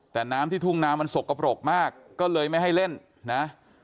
แต่น้ำที่ทุ่งนามันสกปรกมากก็เลยไม่ให้เล่นนะ